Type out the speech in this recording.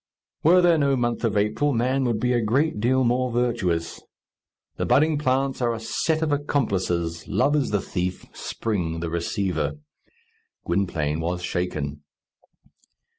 Were there no month of April, man would be a great deal more virtuous. The budding plants are a set of accomplices! Love is the thief, Spring the receiver. Gwynplaine was shaken.